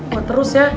gue terus ya